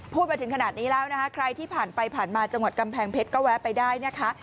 พูดถึงขนาดนี้แล้วนะคะใครที่ผ่านไปผ่านมาจังหวัดกำแพงเพชรก็แวะไปได้นะคะ